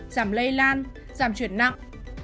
giảm lây lan giảm chuyển nặng